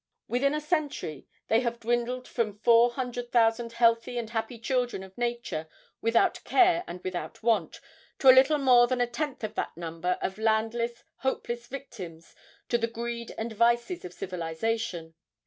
Within a century they have dwindled from four hundred thousand healthy and happy children of nature, without care and without want, to a little more than a tenth of that number of landless, hopeless victims to the greed and vices of civilization.